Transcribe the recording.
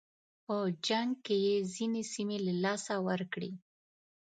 په جنګ کې یې ځینې سیمې له لاسه ورکړې.